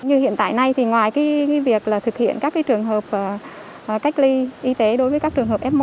như hiện tại nay thì ngoài việc thực hiện các trường hợp cách ly y tế đối với các trường hợp f một